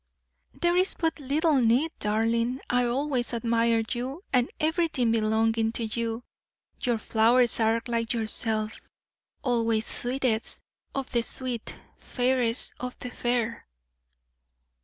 "There is but little need, darling. I always admire you and everything belonging to you. Your flowers are like yourself always sweetest of the sweet, fairest of the fair!"